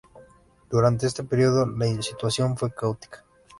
Durante ese período la situación fue caótica.